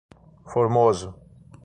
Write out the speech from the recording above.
Formoso